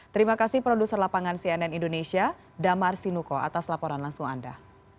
terima kasih produser lapangan cnn indonesia damar sinuko atas laporan langsung anda